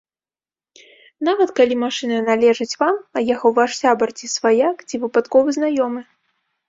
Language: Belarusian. Нават калі машына належыць вам, а ехаў ваш сябар, ці сваяк, ці выпадковы знаёмы.